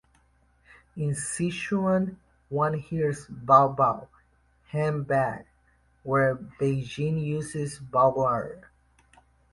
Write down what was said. In Sichuan, one hears "baobao" "handbag" where Beijing uses "bao'r".